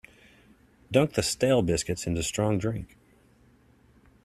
Dunk the stale biscuits into strong drink.